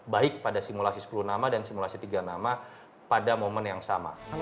baik pada simulasi sepuluh nama dan simulasi tiga nama pada momen yang sama